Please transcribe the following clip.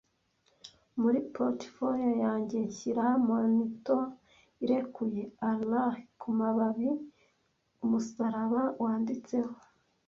Muri portfolio yanjye nshyira Manito irekuye, Allah kumababi, umusaraba wanditseho,